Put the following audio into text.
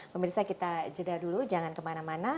pemirsa kita jeda dulu jangan kemana mana